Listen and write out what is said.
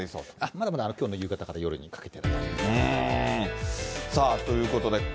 まだまだ、きょうの夕方から夜にかけて。